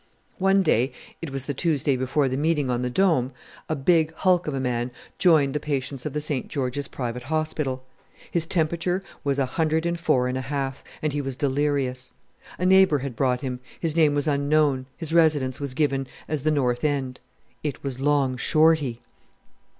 One day it was the Tuesday before the meeting on the Dome a big hulk of a man joined the patients of the St. George's Private Hospital. His temperature was 104½, and he was delirious. A neighbour had brought him; his name was unknown, his residence was given as the North End. It was Long Shorty!